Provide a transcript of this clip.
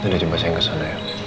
itu dia jumpa saya yang kesana ya